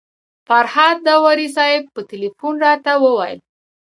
فرهاد داوري صاحب په تیلفون راته وویل.